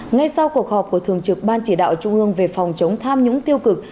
ngay sau cuộc họp của thường trực ban chỉ đạo trung ương về phòng chống tham nhũng tiêu cực